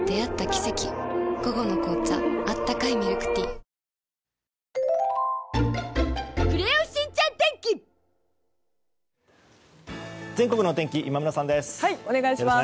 ピンポーン全国のお天気今村さんです。